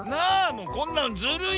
もうこんなのずるい。